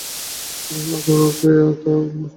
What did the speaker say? এঁরা হলেন আতাউর রহমান ওরফে আতা ও গোলাম মোস্তফা।